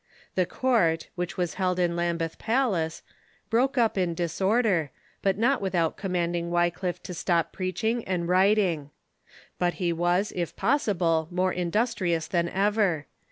The court, which was held in Lambeth Palace, broke up in disorder, but not without commanding Wycliffe to stop preaching and writing. But he was, if possible, more industrious than ever.